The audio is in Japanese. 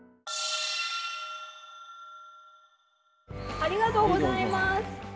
ありがとうございます。